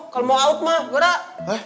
kalau mau out mah gue udah